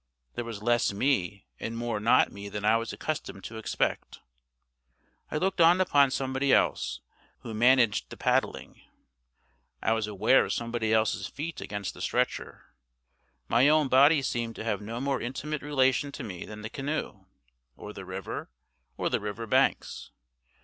There was less me and more not me than I was accustomed to expect. I looked on upon somebody else, who managed the paddling; I was aware of somebody else's feet against the stretcher; my own body seemed to have no more intimate relation to me than the canoe, or the river, or the river banks.